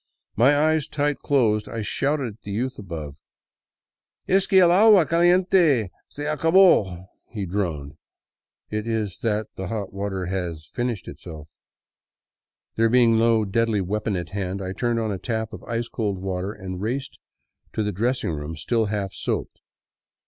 My eyes tight closed, I shouted at the youth above. " Es que el agua caliente se acabo," he droned. " It is that the hot water has finished itself." There being no deadly weapon at hand, I turned on a tap of ice cold water and raced to the dressing room still half soaped.